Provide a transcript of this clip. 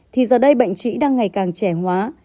thì giờ đây bệnh trĩ đang ngày càng trẻ hóa